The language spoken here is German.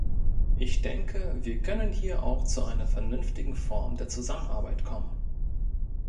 Ich denke, wir können hier auch zu einer vernünftigen Form der Zusammenarbeit kommen!